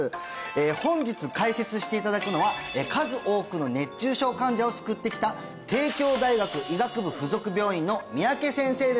本日解説していただくのは数多くの熱中症患者を救ってきた帝京大学医学部附属病院の三宅先生です